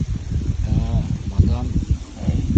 - Ә, мадам?